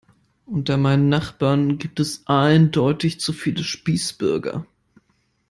Unter meinen Nachbarn gibt es eindeutig zu viele Spießbürger.